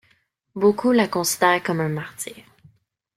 Beaucoup la considère comme un martyr.